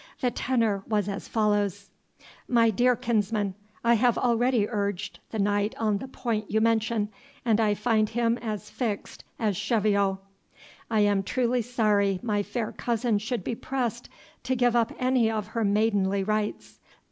The tenor was as follows: "My dear kinsman, I have already urged the knight on the point you mention, and I find him as fixed as Cheviot. I am truly sorry my fair cousin should be pressed to give up any of her maidenly rights.